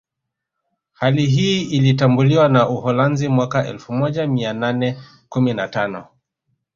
Hali hii ilitambuliwa na Uholanzi mwaka elfumoja mia nane kumi na tano